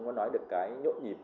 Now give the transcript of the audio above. nó nói đến cái nhộn nhịp